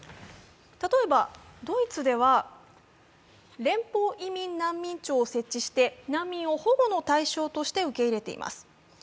例えばドイツでは連邦移民難民庁を設置して難民を保護の対象として受け入れています。